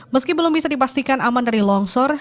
meski belum bisa dipastikan aman dari longsor